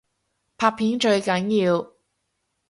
拍片最緊要